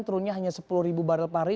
turunnya hanya sepuluh ribu barrel per hari